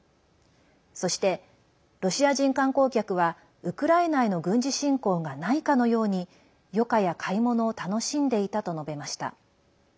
そして、ロシア人観光客はウクライナへの軍事侵攻がないかのように余暇や買い物を楽しんでいたと述べました。